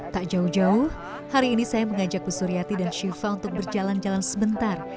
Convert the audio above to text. tak jauh jauh hari ini saya mengajak bu suryati dan syifa untuk berjalan jalan sebentar